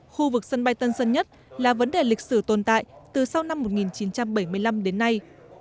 khu vực sân bay tân sơn nhất là vấn đề lịch sử tồn tại từ sau năm một nghìn chín trăm bảy mươi năm đến nay